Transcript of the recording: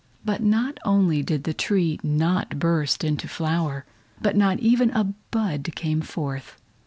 But not only did the tree not burst into flower, but not even a bud came forth.